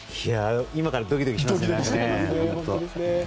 今からドキドキしますね。